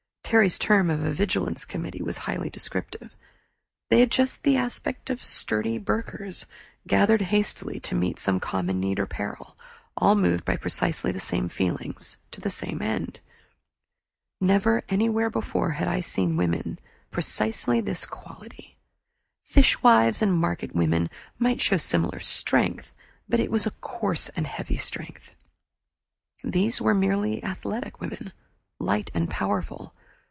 Terry's term of a "vigilance committee" was highly descriptive. They had just the aspect of sturdy burghers, gathered hastily to meet some common need or peril, all moved by precisely the same feelings, to the same end. Never, anywhere before, had I seen women of precisely this quality. Fishwives and market women might show similar strength, but it was coarse and heavy. These were merely athletic light and powerful.